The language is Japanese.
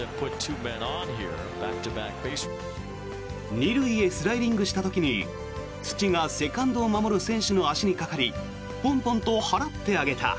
２塁へスライディングした時に土がセカンドを守る選手の足にかかりポンポンと払ってあげた。